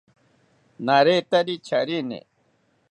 Naretari charini